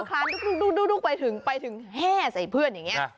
แล้วก็คลานไปถึงแห้ใส่เพื่อนอย่างนี้